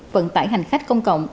vận tải hành khách công cộng